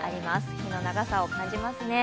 日の長さを感じますね。